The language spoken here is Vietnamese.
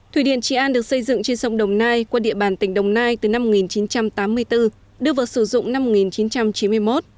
thủy điện trị an được xây dựng trên sông đồng nai qua địa bàn tỉnh đồng nai từ năm một nghìn chín trăm tám mươi bốn đưa vào sử dụng năm một nghìn chín trăm chín mươi một